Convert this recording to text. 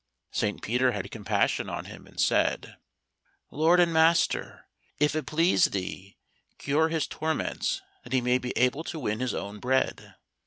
St. Peter had compassion on him and said, "Lord and master, if it please thee, cure his torments that he may be able to win his own bread."